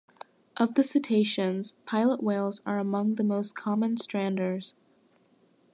Of the cetaceans, pilot whales are among the most common stranders.